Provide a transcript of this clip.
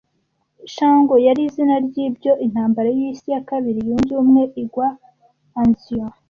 Shingle yari izina ryibyo intambara y'isi II Yunze ubumwe igwa Anzio